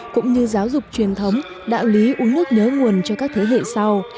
cũng như giáo dục truyền thống đạo lý uống nước nhớ nguồn cho các thế hệ sau